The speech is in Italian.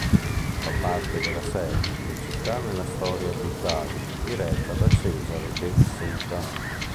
Fa parte della serie "Le città nella storia d’Italia", diretta da Cesare de Seta.